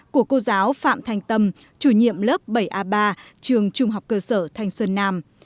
của cô giáo phạm thanh tâm chủ nhiệm lớp bảy a ba trường trung học cơ sở thanh xuân nam